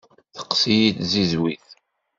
Teqqes-iyi tzizwit.